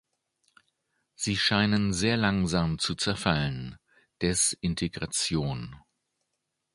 Sie scheinen sehr langsam zu zerfallen (Desintegration).